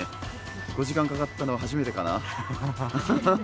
５時間かかったのは初めてかな。